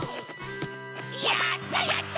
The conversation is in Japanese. やったやった！